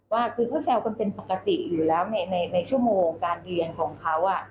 ว่าคือเขาแซวกันเป็นปกติอยู่แล้วในชั่วโมงการเรียนของเขา